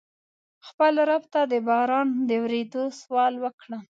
خپل رب ته د باران د ورېدو سوال وکړم.